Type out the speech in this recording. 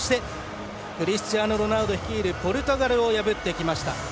クリスチアーノ・ロナウド率いるポルトガルを破ってきました。